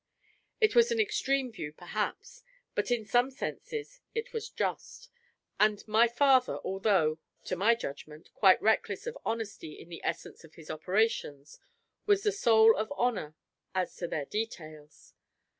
It was an extreme view perhaps; but in some senses, it was just: and my father, although (to my judgment) quite reckless of honesty in the essence of his operations, was the soul of honour as to their details.